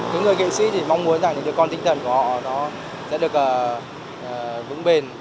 các người nghệ sĩ mong muốn rằng những con tinh thần của họ sẽ được vững bền